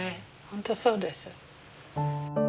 本当そうです。